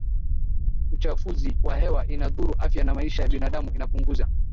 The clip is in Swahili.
uchafuzi wa hewa Inadhuru afya na maisha ya binadamu inapunguza